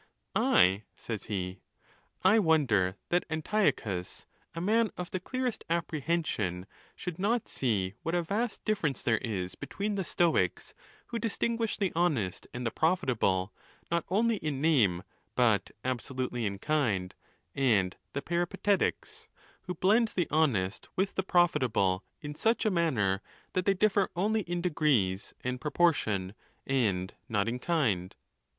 I? says he. I wonder that Anti ochus, a man of the clearest apprehension, should not see what a vast difference there is between the Stoics, who distinguish the honest and the profitable, not only in name, but absolutely in kind, and the Peripatetics, who blend the honest with the profitable in such a manner that they dif fer only in degrees and proportion, and not in kind.